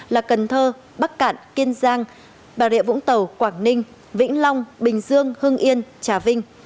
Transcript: là cần thơ bắc cạn kiên giang bà rịa vũng tàu quảng ninh vĩnh long bình dương hưng yên trà vinh